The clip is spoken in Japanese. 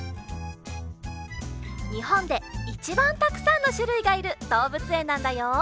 にほんでいちばんたくさんのしゅるいがいるどうぶつえんなんだよ！